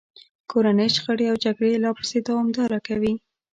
کورنۍ شخړې او جګړې لا پسې دوامداره کوي.